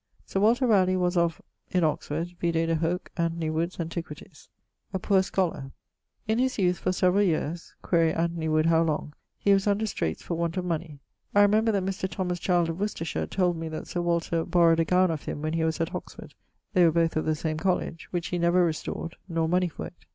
_> Sir Walter Ralegh was of ... in Oxford: vide de hoc Anthony Wood's Antiquities. <_A 'poor' scholar._> In his youth for severall yeares quaere Anthony Wood how long he was under streights for want of money. I remember that Mr. Thomas Child of Worcestershire told me that Sir Walter borrowed a gowne of him when he was at Oxford (they were both of the same College), which he never restored, nor money for it.